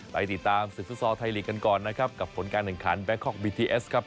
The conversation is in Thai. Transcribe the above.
ไปติดตามศึกฟุตซอลไทยลีกกันก่อนนะครับกับผลการแข่งขันแบงคอกบีทีเอสครับ